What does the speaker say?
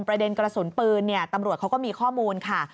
ประเด็นกระสุนปืนเนี่ยตำรวจเขาก็มีข้อมูลค่ะ